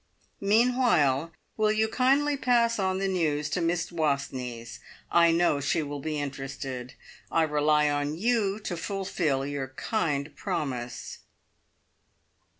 Meanwhile, will you kindly pass on the news to Miss Wastneys. I know she will be interested. I rely on you to fulfil your kind promise."